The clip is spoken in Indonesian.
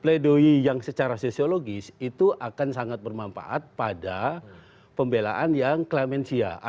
pledoi yang secara sosiologis itu akan sangat bermanfaat pada pembelaan yang klamensia